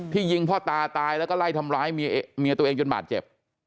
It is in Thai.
ยิงพ่อตาตายแล้วก็ไล่ทำร้ายเมียตัวเองจนบาดเจ็บ